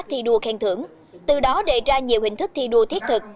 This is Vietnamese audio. thi đua khen thưởng từ đó đề ra nhiều hình thức thi đua thiết thực